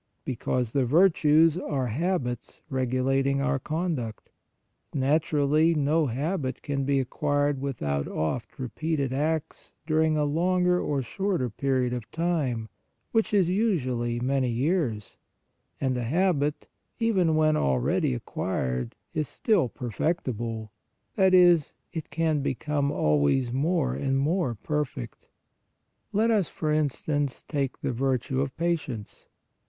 Because the virtues are habits regulating our conduct. Nat urally no habit can be acquired without oft repeated acts during a longer or shorter period of time, which is usually many years; and a habit, even when already acquired, is still perfectible, that is, it can become always more and more perfect. Let us, for instance, take the virtue of patience.